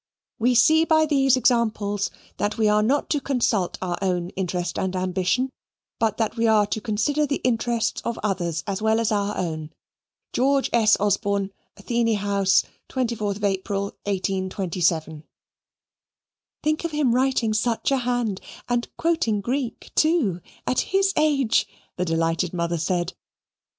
We see by these examples that we are not to consult our own interest and ambition, but that we are to consider the interests of others as well as our own. George S. Osborne Athene House, 24 April, 1827 "Think of him writing such a hand, and quoting Greek too, at his age," the delighted mother said.